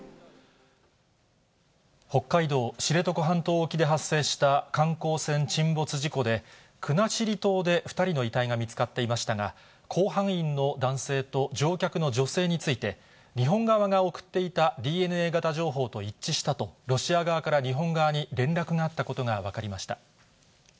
北海道知床半島沖で発生した観光船沈没事故で、国後島で２人の遺体が見つかっていましたが、甲板員の男性と乗客の女性について、日本側が送っていたＤＮＡ型情報と一致したと、ロシア側から日本側に連絡があったことが分かりました。